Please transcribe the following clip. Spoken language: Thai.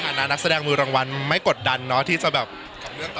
อเจมส์อาณานักแสดงมือรางวัลไม่กดดันเนอะที่จะแบบกับเรื่องต่อ